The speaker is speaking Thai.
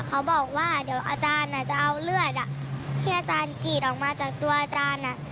เขาบอกว่าเดี๋ยวอาจารย์จะเอาเลือดที่อาจารย์กรีดออกมาจากตัวอาจารย์